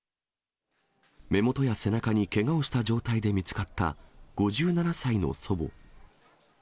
目元や背中にけがをした状態で見つかった５７歳の祖母。